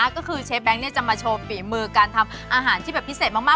ก็คือเชฟแบงค์จะมาโชว์ฝีมือการทำอาหารที่แบบพิเศษมาก